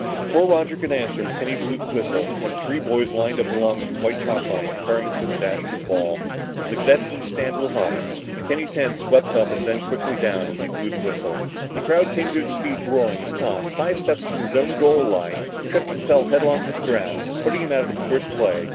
Before Roger could answer, McKenny blew the ready whistle and the three boys lined up along the white chalk line preparing for the dash to the waiting ball. The cadets in the stands were hushed. McKenny's hand swept up and then quickly down as he blew the whistle. The crowd came to its feet, roaring, as Tom, five steps from his own goal line, tripped and fell headlong to the grass, putting him out of the first play.